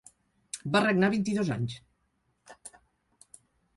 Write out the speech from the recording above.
Va regnar vint-i-dos anys.